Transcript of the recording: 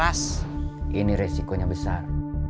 untuk ngelayanin ibu buat masaewah